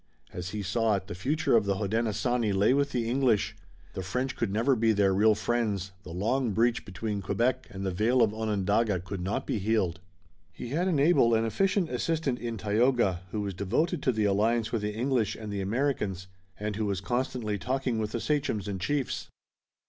As he saw it, the future of the Hodenosaunee lay with the English, the French could never be their real friends, the long breach between Quebec and the vale of Onondaga could not be healed. He had an able and efficient assistant in Tayoga, who was devoted to the alliance with the English and the Americans, and who was constantly talking with the sachems and chiefs.